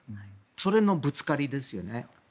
それのぶつかりですよね。